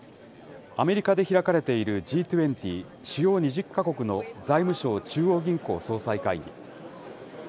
アメリカで開かれているＧ２０・主要２０か国の財務相・中央銀行総裁会議。